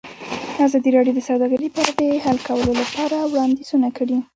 ازادي راډیو د سوداګري په اړه د حل کولو لپاره وړاندیزونه کړي.